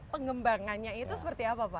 pengembangannya itu seperti apa pak